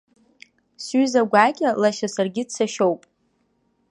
Сҩыза гәакьа лашьа саргьы дсашьоуп.